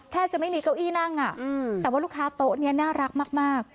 จะไม่มีเก้าอี้นั่งแต่ว่าลูกค้าโต๊ะนี้น่ารักมาก